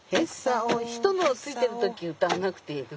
人のをついてる時歌わなくていい。